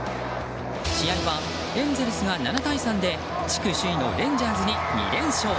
試合は、エンゼルスが７対３で地区首位のレンジャーズに２連勝。